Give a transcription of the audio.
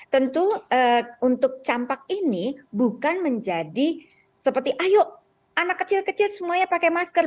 tentu untuk campak ini bukan menjadi seperti ayo anak kecil kecil semuanya pakai masker